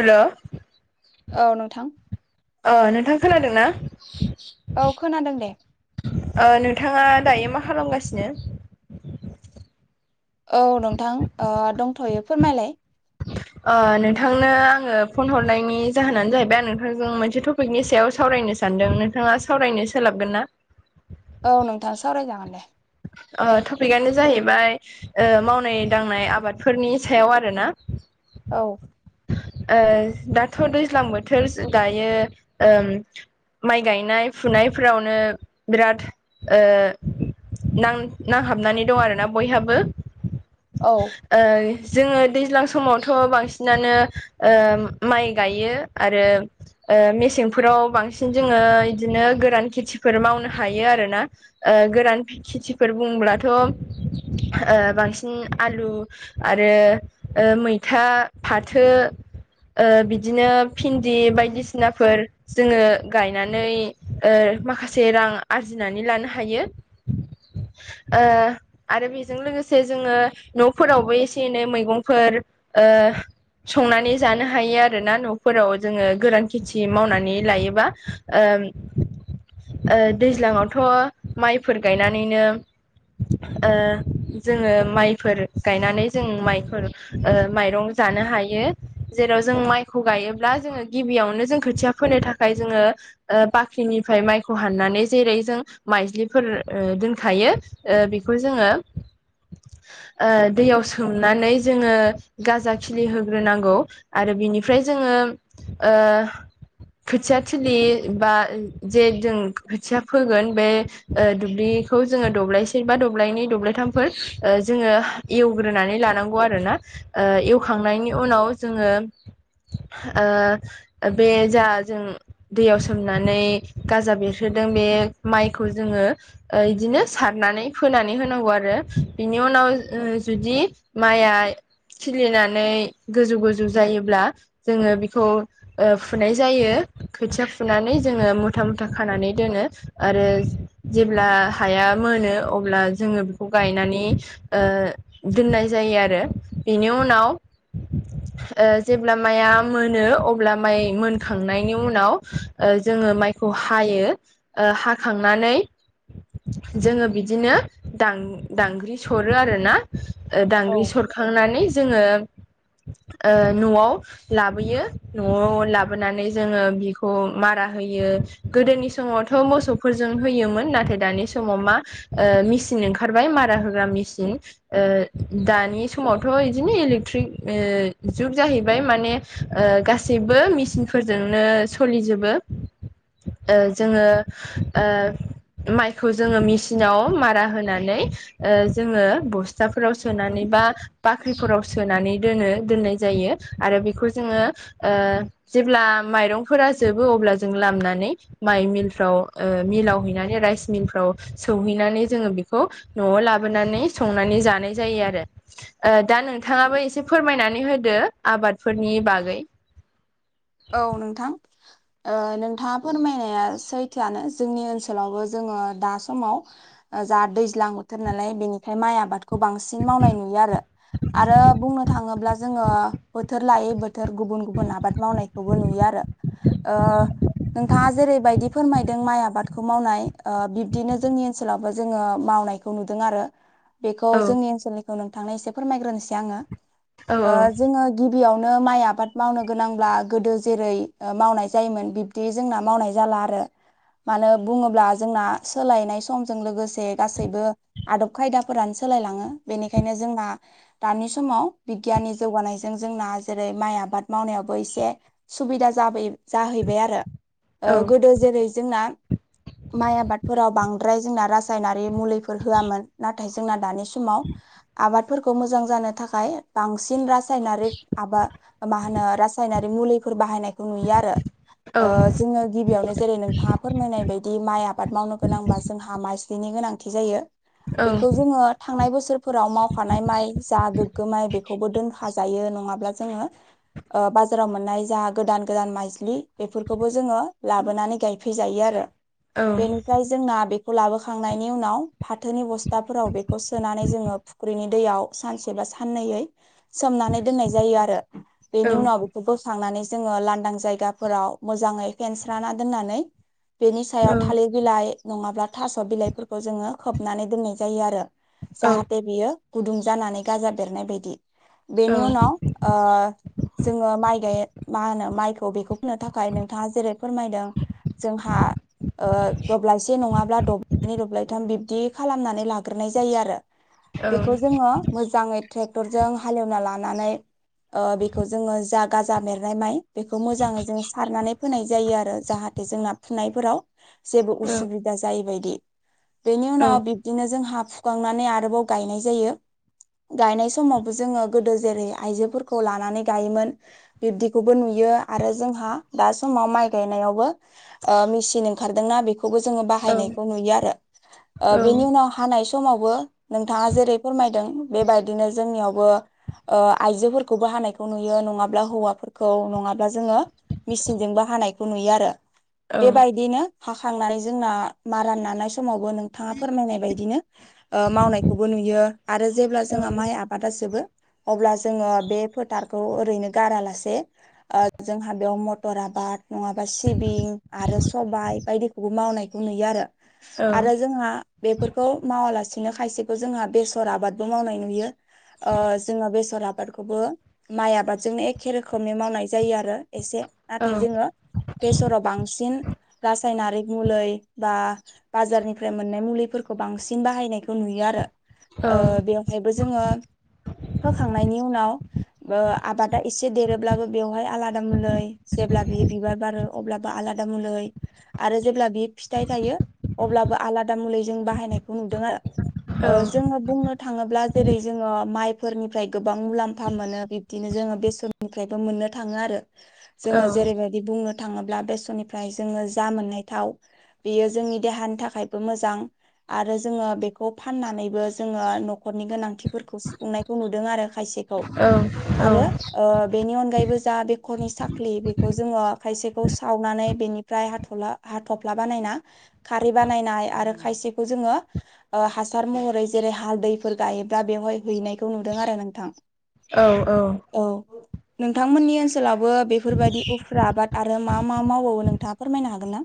हेल' औ नोंथां अ नोंथां खोनादों ना औ खोनादों दे नोंथाङा दायो मा खालामगासिनो औ नोंथां ओ ओदंथ'यो फोरमायलाय नोंथांनो आङो फन हरनायनि जाहोनानो जाहैबाय आं नोंथांजों मोनसे टपिकनि सायाव सावरायनोसो सानदों नोंथाङा सावरायनो सोलाबगोन ना औ नोंथां सावरायजागोन दे अ टपिकआनो जाहैबाय ओ मावनाय दांनाय आबादफोरनि सायाव आरोना औ ओ दाथ' दैज्लां बोथोर दायो ओ माइ गायनाय फुनायफोरावनो बिराद नां-नांहाबनानै दं आरोना बयहाबो औ जोङो दैज्लां समावथ' बांसिनानो माइ गायो आरो ओ मेसेंफोराव बांसिन जोङो बिदिनो गोरान खेथिफोर मावनो हायो आरोना गोरान खेथिफोर बुंब्लाथ' बांसिन आलु आरो मैथा फाथो बिदिनो भिन्दि बायदिसिनाफोर जोङो गायनानै माखासे रां आरजिनानै लानो हायो ओ आरो बेजों लोगोसे जोङो न'फोरावबो एसे एनै मैगंफोर संनानै जानो हायो आरोना न'फोराव जोङो गोरान खेथि मावनानै लायोबा दैज्लाङावथ' माइफोर गायनानैनो जोङो माइफोर गायनानै जों माइफोर माइरं जानो हायो जेराव जों माइखौ गायोब्ला जोङो गिबियावनो जों खोथिया फोनो थाखाय जोङो बाख्रिनिफ्राय माइखौ हाननानै जेरै जों माइज्लि फोर दोनखायो बेखौ जोङो दैयाव सोमनानै जोङो गाजा खिलि होग्रोनांगौ आरो बिनिफ्राय जोङो खोथिया थिलि बा जे जों खोथिया फोगोन बे दुब्लिखौ जोङो दब्लायसे बा दब्लायनि दब्लायथामफोर जोङो एवग्रोनानै लानांगौ आरोना एवखांनायनि उनाव जोङो ओ बे जा जों दैयाव सोमनानै गाजा बेरहोदों बे माइखौ जोङो बिदिनो सारनानै फोनानै होनांगौ आरो बिनि उनाव जुदि माइआ खिलिनानै गोजौ गोजौ जायोब्ला जोङो बेखौ फुनाय जायो खोथिया फुनानै जोङो मुथा मुथा खानानै दोनो आरो जेब्ला हाया मोनो अब्ला जोङो बेखौ गायनानै दोननाय जायो आरो बेनि उनाव जेब्ला मायाया मोनो अब्ला माइ मोनखांनायनि उनाव जोङो माइखौ हायो हाखांनानै जोङो बिदिनो दांगांग्रि सरो आरोना दांग्रि औ सर खांनानै जोङो न'आव लाबोयो न'आव लाबोनानै जोङो बिखौ मारा होयो गोदोनि समावथ' मोसौफोरजों होयोमोन नाथाय दानि समाव मा ओ मेचन ओंखारबाय मारा होग्रा मेसिन। ओ दानि समावथ' इदिनो इलेक्ट्रिक ओ जुग जाहैबाय माने ओ गासैबो मेसिनफोरजोंनो स'लिजोबो। ओ जोङो ओ माइखौ जोङो मेसिनाव मारा होनानै जोङो बस जाफोराव सोनानै बा बाख ख्रिफोराव सोनानै दोनो दोननाय जायो आरो बेखौ जोङो ओ जेब्ला माइरंफोरा जोबो अब्ला जों लामनानै माइ मिलफ्राव ओ मिलाव हैनानै राइस मिलफ्राव सौहैनानै जोङो बेखौ न'आव लाबोनानै संनानै जानाय जायो आरो। ओ दा नोंथाङाबो एसे फोरमायनानै होदो आबादफोरनि बागै। औ नोंथां। ओ नोंथाङा फोरमायनाया सैथोआनो जोंनि ओनसोलावबो जोङो दा समाव जा दैज्लां बोथोर नालाय बेनिखाय माइ आबादखौ बांसिन मावनाय नुयो आरो। आरो बुंनो थाङोब्ला जोङो बोथोर लायै बोथोर गुबुन-गुबुन आबाद मावनाय खौबो नुयो आरो ओ नोंथाङा जेरैबायदि फोरमायदों माइ आबादखौ मावनाय ओ बिब्दिनो जोंनि ओनसोलावबो जोङो मावनाय खौ नुदों आरो। बेखौ औ जोंनि ओनसोलनिखौ नोंथांनो एसे फोरमायग्रोनोसै आङो। औ ओ जोङो गिबियावनो माइ आबाद मावनो गोनांब्ला गोदो जेरै ओ मावनाय जायोमोन बिब्दि जोंना मावनाय जाला आरो। मानो बुङोब्ला जोंना सोलायनाय समजों लोगोसे गासैबो आदब खायदाफोरानो सोलायलाङो। बेनिखायनो जोंना दानि समाव बिगियाननि जौगानायजों जोंना जेरै माइ आबाद मावनायावबो एसे सुबिदा जाबै जाहैबाय आरो ओ औ गोदो जेरै जोंना माइ आबादफोराव बांद्राय जोंना रासायनारि मुलै फोर होयामोन नाथाय जोंना दानि समाव आबाद फोरखौ मोजां जानो थाखाय बांसिन रासायनारिक आबा मा होनो रासायनारि मुलिफोर बाहायनायखौ नुयो आरो औ ओ जोङो गिबियावनो जेरै नोंथाङा फोरमायनाय बायदि माइ आबाद मावनो गोनांबा जोंहा माइस्लिनि गोनांथि जायो। औ बेखौ जोङो थांनाय बोसोरफोराव मावखानाय माइ जा गोग्गो माइ बे खौबो दोनखा जायो नङाब्ला जोङो ओ बाज फोराव मोननाय जा गोदान-गोदान माइज्लि बेफोरखौबो जोङो लाबोनानै गायफैजायो आरो। औ बेनि फ्राय जोंना बेखौ लाबोखांनायनि उनाव फाथोनि बस्थाफोराव बेखौ सोनानै जोङो फुख्रिनि दैयाव सानसे बा साननैयै सोमनानै दोननाय जायो आरो। औ बेनि उनाव बोखांनानै जोङो लांदां जायगाफोराव मोजाङै फेनस्राना दोननानै बेनि सायाव थालिर बिलाइ नङाब्ला थास' बिलाइफोरखौ जोङो खोबनानै दोननाय जायो आरो। औ जाहाथे बेयो गुदुं जानानै गाजा बेरनाय बायदि। बेनि औ उनाव ओ जोङो माइ गाय मा होनो माइखौ बेखौ फोननो थाखाय नोंथाङा जेरै फोरमायदों जोंहा ओ दब्लायसे नङाब्ला दब्लायनै दब्लायथाम बिब्दि खालामनानै लाग्रोनाय जायो आरो औ बेखौ जोङो मोजाङै टेक्टरजों हालेवना लानानै ओ बेखौ जोङो जाग गाजा मबेरनाय माइ बेखौ मोजाङै जों सारनानै फोनाय जायो आरो जाहाथे जोंना फुनायफोराव जेबो औ उसुबिदा जायैबायदि। बेनि उनाव बि बिदिनो जोंहा फुखांनानै आरोबाव गायनाय जायो। गायनाय समावबो जोङो गोदो जेरै आइजोफोरखौ लानानै गायोमोन बिब्दिखौबो नुयो आरो जोंहा दा समाव माइ गायनायावबो ओ मिसिन ओंखारदोंना बेख खौबो जोङो बाहायनायखौ नुयो आरो ओ बेनि उनाव हानाय समावबो नोंथाङा जेरै फोरमायदों बेबायदिनो जोंनियावबो ओ आइजोफोरखौबो हानायखौ नुयो नङाबा माब्ला हौवाफोरखौ नङाब्ला जोङो मेसिनजोंबो हानायखौ नुयो आरो। बेबायदिनो हाखांनानै जोंना मारा नानाय समावबो नोंथाङा फोरमायनाय बायदिनो ओ मावनायखौबो नुयो आरो जेब्ला जोंहा माइ आबादा जोबो अब्ला जोङो बे फोथारखौ ओरैनो गारालासे ओ जोंहा बेयाव मथर आबाद नङाबा सिबिं आरो सबाय बायदि बे मावनायखौ नुयो आरो आरो जोंहा बेफोरखौ मावालासिनो खायसेखौ जोंहा बेसर आबादबो मावनाय नुयो। ओ जोङो बेसर आबादखौबो माइ आबाद जोंनो एखे रोखोमनि मावनाय जायो आरो एसे नाथाय जोङो बेसराव बांसिन रासायनारिक मुलै बा बाजारनिफ्राय मोननाय मुलिफोरखौ बांसिन बाहायनायखौ नुयो आरो। ओ बेवहायबो जोङो फोखांनायनि उनाव ओ आबादा एसे देरोब्लाबो बेवहाय आलादा मुलै जेब्ला बेयो बिबार बारो अब्लाबो आलादा मुलै आरो जेब्ला बियो फिथाइ थायो अब्लाबो आलादा मुलै जों बाहायनायखौ नुदों आरो। औ ओ जोङो बुंनो थाङोब्ला जेरै जोङो माइफोरनिफ्राय गोबां मुलाम्फा मोनो। बि दिनो जोङो बेसरनिफ्रायबो मोननो थाङो आरो जोङो जेरैबायदि दि बुंनो थाङोब्ला बेसरनिफ्राय जोङो जा मोननाय थाव बियो जोंनि देहानि थाखायबो मोजां। आरो जोङो बेखौ फाननानैबो जोङो नखरनि गोनांथिफोरखौ सुफुंनाय खौ नुदों आरो खायसेखौ औ आरो ओ बेनि अनगायैबो जा बेखरनि साख्लि बेखौ जोङो खायसेखौ सावनानै बेनि फ्राय हाथला हाथफ्ला बानायना खारै बानायनाय आरो खायसेखौ जोङो ओ हासार महरै जेरै हालदैफोर गायोब्ला बेवहाय हैनायखौ नुदों आरो नोंथां। औ औ औ नोंथांमोननि ओनसोलावबो बेफोरबायदि उफ्रा आबाद आ आरो मा मा मावबावो नोंथाङा फोरमायनो हागोन ना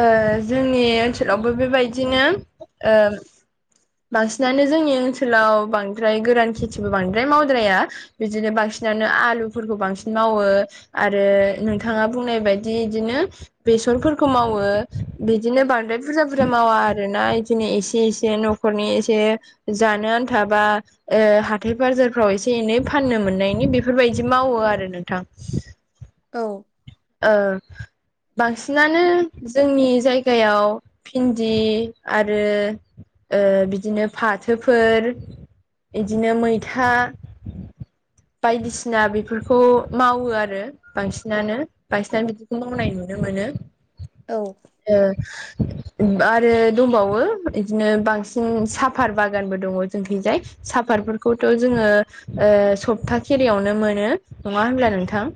ओ जोंनि ओनसोलावबो बेबायदिनो ओ बांसिनानो जोंनि ओनसोलाव बांद्राय गोरान खेथिबो बांद्राय मावद्राया। बिदिनो बांसिनानो आलुफोरखौ बांसिन मावो। आरो नोंथाङा बुंनाय बायदि इदिनो बेसरफोर खौ मावो बिदिनो बांद्राय बुरजा बुरजा मावा आरो ना दिने एसे एसे नखरनि एसे जानो आनथा बा ओ हाथाय बाजारफ्राव एसे एनै फाननो मोननायनि बेफोरबायदि मावो आरो नोंथां। औ ओ बांसिनानो जोंनि जायगायाव भिन्दि आरो ओ बिदिनो फाथोफोर बिदिनो मैथा बायदिसिना बेफोरखौ मावो आरो बांसिनानो। बांसिनानो बिदिखौ मावनाय नुनो मोनो। औ ओ आरो दंबावो बिदिनो बांसिन साफार बागानबो दङ जोंथिंजाय। साफातफोरखौथ जोङो ओ सप्ता खेरियावनो मोनो। नङा होनब्ला नोंथां।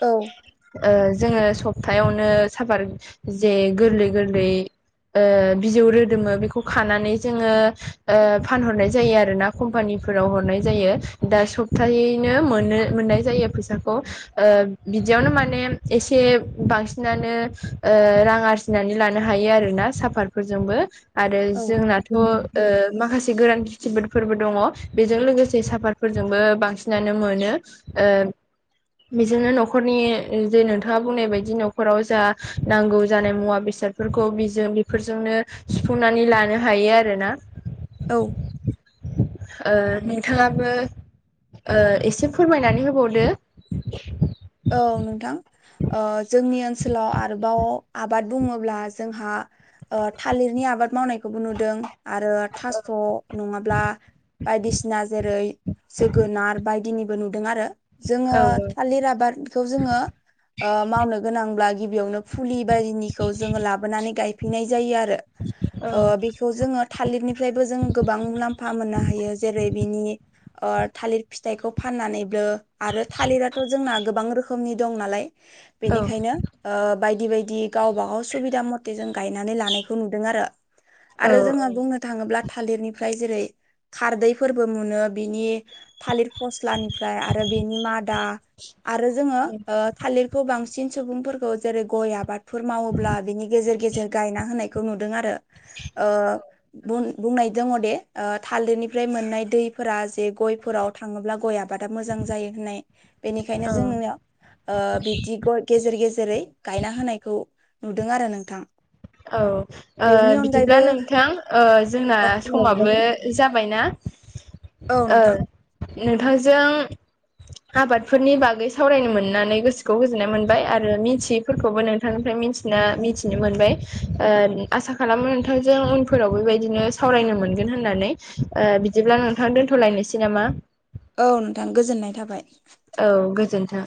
औ ओ जोङो सप्तायावनो साफत जे गोरलै गोरलै ओ बिजौ रोदोमो बेखौ खानानै जोङो ओ फानहरनाय जायो आरो ना। कम्पानिफोराव हरनाय जायो दा सप्तायैनो मोनो मोननाय जायो फैसाखौ। ओ बिदियावनो माने माने एसे बांसिनानो ओ रां आरजिनानै लानो हायो आरोना साफात फोरजोंबो आरो औ जोंनाथ ओ माखासे गोरान खिथिफोरबो दङ बेजों लोगोसे साफातफोरजोंबो बांसिनानो मोनो। ओ बेजोंनो नखरनि ओ जे नोंथाङा बुंनाय बायदि नखराव जा नांगौ जानाय मुवा बेसादफोरखौ बिजो बिफोरजोंनो सुफुंनानै लानो हायो आरो ना। औ ओ नोंथाङाबो ओ एसे फोरमायनानै होबावदो। औ नोंथां। अ जोंनि ओनसोलाव आरोबाव आबाद बुङोब्ला जोंहा ओ थालिरनि आबाद मावनायखौबो नुदों आरो थास' नङाब्ला बायदिसिना जेरै जोगोनार बायदिनि नुदों आरो। जोङो औ थालिर आबादखौ जोङो ओ मावनो गोनांब्ला गिबियावनो फुलि बायदिनिखौ जोङो लाबोनानै गायफैनाय जायो आरो। औ ओ बे बेखौ जोङो थालिरनिफ्रायबो जों गोबां मुलाम्फा मोननो हायो जेरै बिनि ओ थालिर फिथाइखौ फाननानैबो आरो थालिराथ' जोंना गोबां रोखोमनि दं नालाय औ बेनिखायनो ओ बायदि बायदि गावबागाव सुबिदा मथे जों गायनानै लानायखौ नुदों आरो। औ आरो जोङो बुंनो थाङोब्ला थालिरनिफ्राय जेरै खारदैफोरबो मोनो बिनि थालिर फस्लानिफ्राय आरो बेनि मादा आरो जोङो ओ थालिरखौ बांसिन सुबुंफोरखौ जेरै गय आबाद फोर मावोब्ला बिनि गेजेर-गेजेर गायना होनायखौ नुदों आरो ओ बुन बुंनाय दङ दे ओ थालिरनिफ्राय मोननाय दैफोरा जे गयफोराव थाङोब्ला गय आबादा मोजां जायो होननाय बेनिखायनो औ जोंनियाव ओ बिबदि गय गेजेर गेजेरै गायना होनायखौ नुदों आरो नोंथां। औ बेनि बिदिब्ला अनगायैबो ओ नोंथां ओ जोंना औ समाबो जा जाबाय ना। औ ओ नोंथां नोंथांजों आबादफोरनि बागै सावरायनो मोननानै गोसोखौ गोजोननाय मोनबाय आरो मिथि फोरखौबो नोंथांनिफ्राय मिथिना मिथिनो मोनबाय। ओ आसा खालामो नोंथांजों उनफोराव बेबायदिनो सावरायनो मोनगोन होननानै। ओ बिदिब्ला नोंथां दोन्थ'लायनोसै नामा? औ नोंथां गोजोननाय थाबाय। औ गोजोन्थों।